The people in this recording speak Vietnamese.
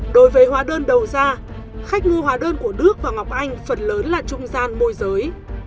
đối với hóa đơn đầu ra khách mua hóa đơn của đức và ngọc anh phần lớn là trung gian môi giới